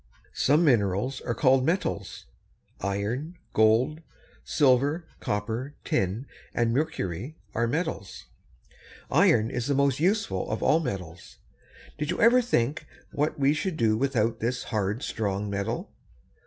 Some minerals are called metals. Iron, gold, silver, copper, tin, and mercury are metals. Iron is the most useful of all metals. Did you ever think what we should do without this hard, strong metal?